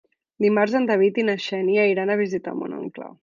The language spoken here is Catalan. Dimarts en David i na Xènia iran a visitar mon oncle.